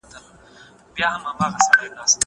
هغه څوک چي کتاب ليکي پوهه زياتوي.